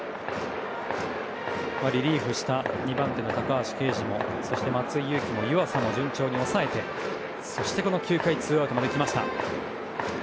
リリーフした２番手の高橋奎二もそして松井裕樹も湯浅も順調に抑えてそして９回ツーアウトまで来ました。